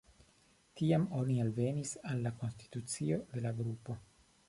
Tiam oni alvenis al la konstitucio de la grupo.